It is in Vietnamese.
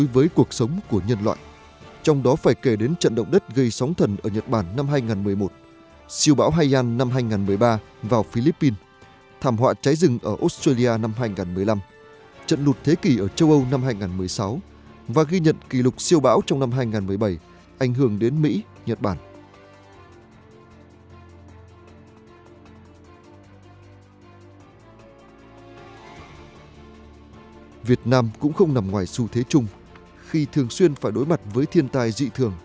việt nam cũng không nằm ngoài xu thế chung khi thường xuyên phải đối mặt với thiên tài dị thường